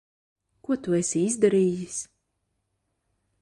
Ko tu esi izdarījis?